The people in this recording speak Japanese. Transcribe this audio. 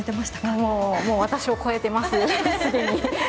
もう私を超えてます既に。